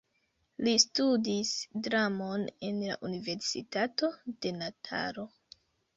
Li studis dramon en la Universitato de Natalo.